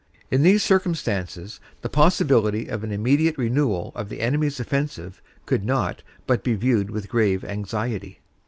In these circumstances the possibility of an immediate renewal of the enemy s offensive could not but be viewed with grave anxiety.